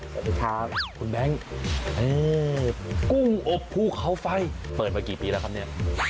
สวัสดีครับคุณแบงค์กุ้งอบภูเขาไฟเปิดมากี่ปีแล้วครับเนี่ย